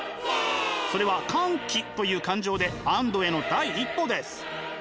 それは歓喜という感情で安堵への第一歩です。